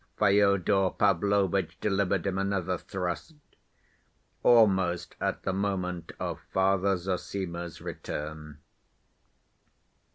Fyodor Pavlovitch delivered him another thrust, almost at the moment of Father Zossima's return.